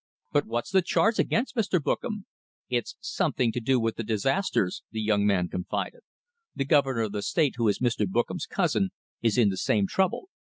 "But what's the charge against Mr. Bookam?" "It's something to do with the disasters in ," the young man confided. "The Governor of the State, who is Mr. Bookam's cousin, is in the same trouble....